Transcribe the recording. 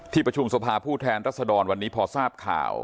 ประชุมสภาผู้แทนรัศดรวันนี้พอทราบข่าว